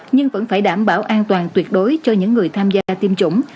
nhưng vẫn phải đảm bảo an toàn tuyệt đối cho những người tham gia tiêm chủng